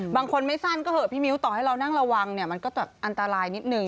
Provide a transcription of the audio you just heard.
บางคนไม่สั้นก็เหอะพี่มิ้วต่อให้เรานั่งระวังเนี่ยมันก็จะอันตรายนิดนึง